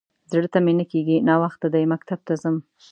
_زړه ته مې نه کېږي. ناوخته دی، مکتب ته ځم.